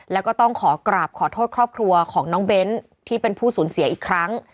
แล้วก็ต้องขอกราบขอโทษครอบครัวของน้องเบ้นที่เป็นผู้สูญเสียอีกครั้ง